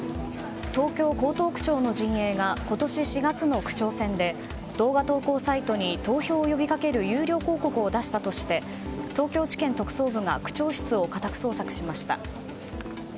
東京・江東区長の陣営が今年４月の区長選で動画投稿サイトに投票を呼び掛ける有料広告を出したとして東京地検特捜部が区長室を家宅捜索しました。